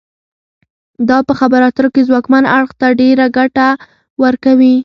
دا په خبرو اترو کې ځواکمن اړخ ته ډیره ګټه ورکوي